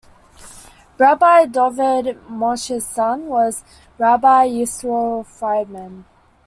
Rabbi Dovid Moshe's son was Rabbi Yisroel Friedman.